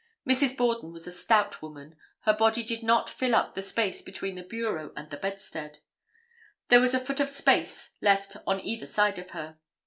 Mrs. Borden was a stout woman; her body did not fill up the space between the bureau and the bedstead; there was a foot of space left on either side of her.